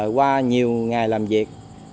qua nhiều ngày làm việc